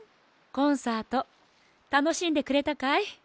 コンサートたのしんでくれたかい？